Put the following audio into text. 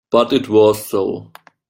But it was so.